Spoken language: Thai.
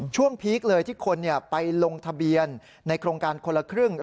พีคเลยที่คนไปลงทะเบียนในโครงการคนละครึ่ง